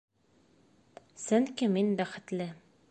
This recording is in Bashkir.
Сөнки мин бәхетле.